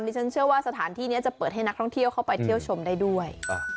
ฉันเชื่อว่าสถานที่นี้จะเปิดให้นักท่องเที่ยวเข้าไปเที่ยวชมได้ด้วย